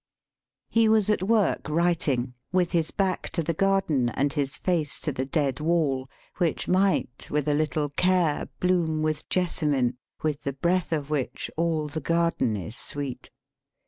He was at work writing, with his back to the garden, and his face to the dead wall, which might with a little care bloom with jessamine, with the breath of which all the garden is sweet.